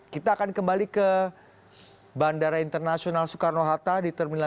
kita akan kembali ke bandara internasional soekarno hatta